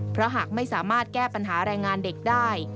เพราะหากไม่สามารถแก้ปัญหาแรงงานเด็กได้